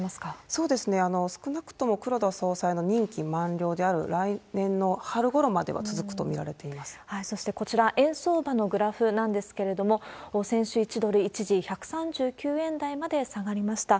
そうですね、少なくとも黒田総裁の任期満了である来年の春ごろまでは続くと見そして、こちら、円相場のグラフなんですけれども、先週、１ドル一時１３９円台まで下がりました。